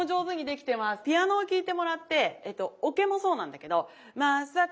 ピアノを聴いてもらってオケもそうなんだけど「まっさか」